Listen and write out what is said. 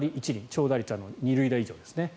長打率は２塁打以上ですね。